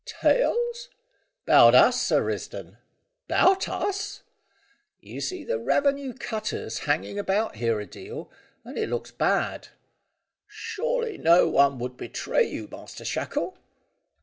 "Tales?" "'Bout us, Sir Risdon." "About us!" "You see the revenue cutter's hanging about here a deal, and it looks bad." "Surely no one would betray you, Master Shackle?"